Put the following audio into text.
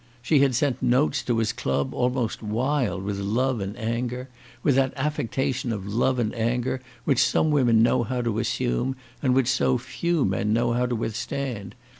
She had sent notes to his club almost wild with love and anger, with that affectation of love and anger which some women know how to assume, and which so few men know how to withstand.